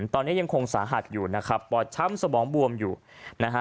ตอนนี้ยังคงสาหัสอยู่นะครับปอดช้ำสมองบวมอยู่นะฮะ